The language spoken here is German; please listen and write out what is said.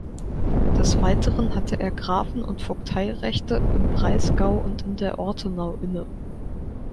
Des Weiteren hatte er Grafen- und Vogteirechte im Breisgau und in der Ortenau inne.